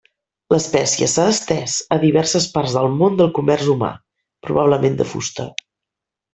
L'espècie s'ha estès a diverses parts del món pel comerç humà, probablement de fusta.